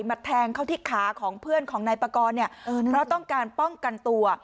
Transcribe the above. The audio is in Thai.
มาแทงเข้าที่ขาของเพื่อนของนายปากรเนี่ยเพราะต้องการป้องกันตัว